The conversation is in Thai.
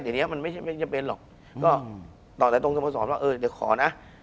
เดี๋ยวนี้มันไม่ใช่ไม่จำเป็นหรอกก็ตอบแต่ตรงสโมสรว่าเออเดี๋ยวขอนะ